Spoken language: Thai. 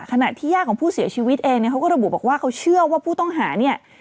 ขณะที่ญาติของผู้เสียชีวิตเองเนี่ยเขาก็ระบุบอกว่าเขาเชื่อว่าผู้ต้องหาเนี่ย